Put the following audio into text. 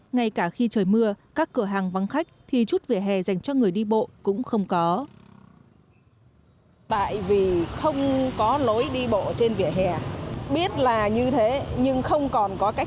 ngay cả khi trời mưa các cửa hàng vắng khách thì chút vỉa hè dành cho người đi bộ cũng không có